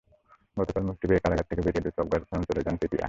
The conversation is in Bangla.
গতকাল মুক্তি পেয়ে কারাগার থেকে বেরিয়ে দ্রুত অজ্ঞাত স্থানে চলেন যান চেটিয়া।